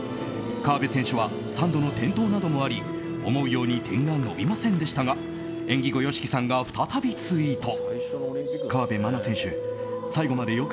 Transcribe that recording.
河辺選手は３度の転倒などもあり思うように点が伸びませんでしたが演技後、ＹＯＳＨＩＫＩさんが再びツイート。